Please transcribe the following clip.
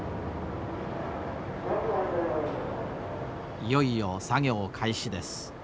いよいよ作業開始です。